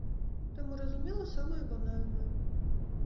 Таму разумела самае банальнае.